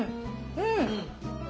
うん。